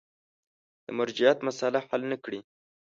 د مرجعیت مسأله حل نه کړي.